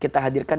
kita harus mencari